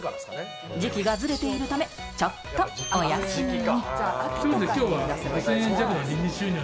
時期がずれているため、ちょっとお安めに。